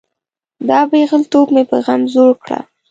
دا پیغلتوب مې په غم زوړ کړه.